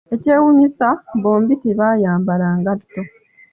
Ekyewuunyisa, bombi tebayambala ngatto.